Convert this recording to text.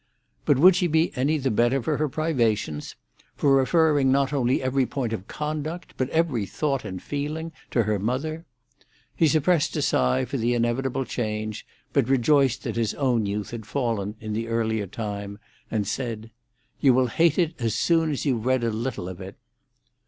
But would she be any the better for her privations, for referring not only every point of conduct, but every thought and feeling, to her mother? He suppressed a sigh for the inevitable change, but rejoiced that his own youth had fallen in the earlier time, and said, "You will hate it as soon as you've read a little of it."